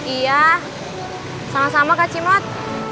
iya sama sama kak cimot